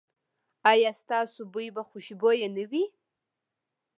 ایا ستاسو بوی به خوشبويه نه وي؟